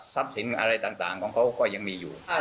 ทรัพย์สินอะไรต่างต่างของเขาก็ยังมีอยู่อ่า